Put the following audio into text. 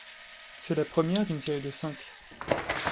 C'est la première d'une série de cinq.